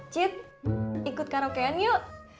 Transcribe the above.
cid ikut karaokean yuk